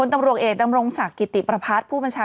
สวัสดีค่ะ